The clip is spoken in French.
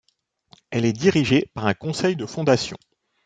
Elle est dirigée par un conseil de fondation.